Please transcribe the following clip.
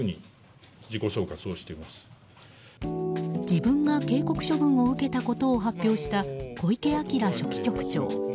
自分が警告処分を受けたことを発表した、小池晃書記局長。